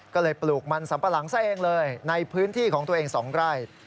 ก็เลยปลูกมันสัมปะหลังซะเองเลยในพื้นที่ของตัวเอง๒ไร่